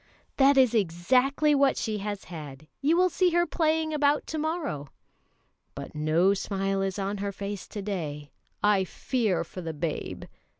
"That is exactly what she has had; you will see her playing about to morrow." "But no smile is on her face to day; I fear for the babe."